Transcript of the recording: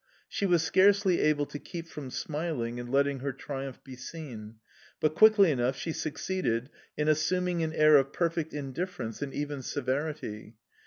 She was scarcely able to keep from smiling and letting her triumph be seen; but quickly enough she succeeded in assuming an air of perfect indifference and even severity.